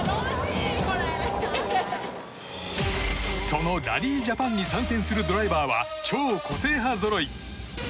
そのラリー・ジャパンに参戦するドライバーは超個性派ぞろい。